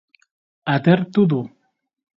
Atertu du.